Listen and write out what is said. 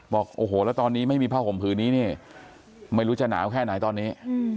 บอกโอ้โหแล้วตอนนี้ไม่มีผ้าห่มผืนนี้นี่ไม่รู้จะหนาวแค่ไหนตอนนี้